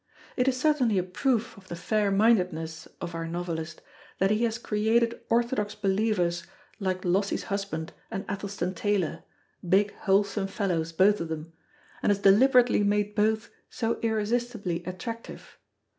It is certainly a proof of the fair mindedness of our novelist, that he has created orthodox believers like Lossie's husband and Athelstan Taylor, big wholesome fellows, both of them; and has deliberately made both so irresistibly attractive.